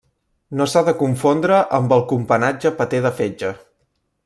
No s'ha de confondre amb el companatge paté de fetge.